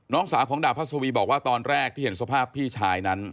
สาวของดาบพัศวีบอกว่าตอนแรกที่เห็นสภาพพี่ชายนั้น